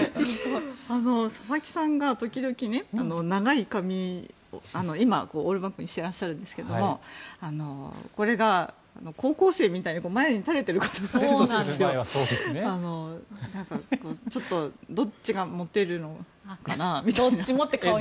佐々木さんが時々ね長い髪を今、オールバックにしてらっしゃるんですけどこれが高校生みたいに前に垂れていることがあってちょっとどっちがモテるのかなみたいな。